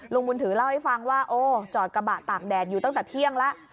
บุญถือเล่าให้ฟังว่าโอ้จอดกระบะตากแดดอยู่ตั้งแต่เที่ยงแล้ว